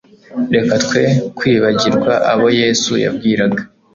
reka twe kwibagirwa abo yesu yabwiraga